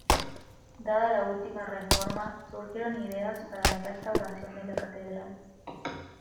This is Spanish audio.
Dada la última reforma, surgieron ideas para la restauración de la catedral.